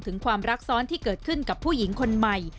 ความรักซ้อนที่เกิดขึ้นกับผู้หญิงคนใหม่